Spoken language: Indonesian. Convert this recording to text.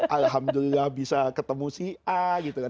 alhamdulillah bisa ketemu si a gitu kan